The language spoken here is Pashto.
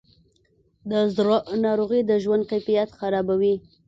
د زړه ناروغۍ د ژوند کیفیت خرابوي.